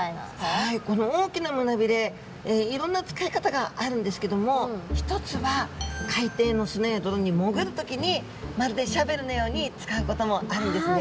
はいこの大きな胸鰭いろんな使い方があるんですけども一つは海底の砂や泥に潜る時にまるでシャベルのように使うこともあるんですね。